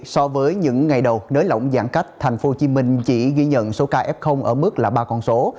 so với những ngày đầu nới lỏng giãn cách tp hcm chỉ ghi nhận số ca f ở mức là ba con số